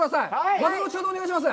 また後ほどお願いします。